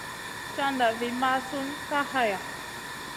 Caʼnda vi mʼasun Kay haya.